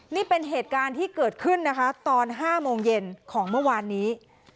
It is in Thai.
นี่เป็นเหตุการณ์ที่เกิดขึ้นนะคะตอน๕โมงเย็นของเมื่อวานนี้